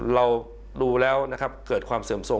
เราดูแล้วเกิดความเสื่อมโทรม